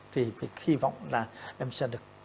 thì hy vọng là em sẽ được